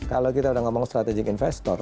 kalau kita udah ngomong strategic investor